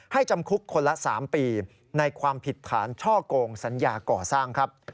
จำคุกคนละ๓ปีในความผิดฐานช่อกงสัญญาก่อสร้างครับ